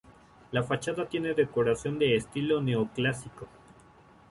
La fachada tiene decoración de estilo neoclásico.